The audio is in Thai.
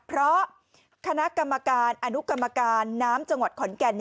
เพราะคณะกรรมการอนุกรรมการน้ำจังหวัดขอนแก่น